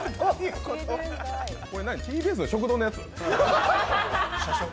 これ何、ＴＢＳの食堂のやつ？